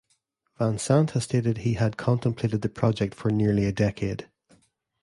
Van Sant has stated he had contemplated the project for nearly a decade.